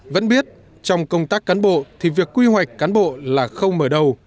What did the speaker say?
vẫn biết trong công tác cán bộ thì việc quy hoạch cán bộ là khâu mở đầu